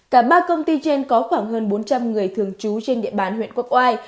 cả ba công ty trên có khoảng hơn bốn trăm linh người thường trú trên địa bàn huyện quốc oai